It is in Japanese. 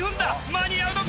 間に合うのか？